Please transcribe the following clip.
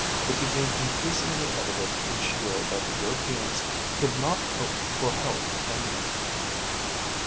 it became increasingly evident each year that Europeans could not hope for health in them.